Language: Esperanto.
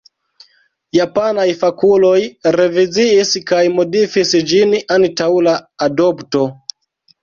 Japanaj fakuloj reviziis kaj modifis ĝin antaŭ la adopto.